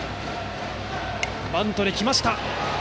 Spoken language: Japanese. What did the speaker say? バントできました。